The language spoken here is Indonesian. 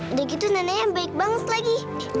udah gitu neneknya baik banget lagi